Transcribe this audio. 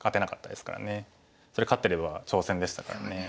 それ勝ってれば挑戦でしたからね。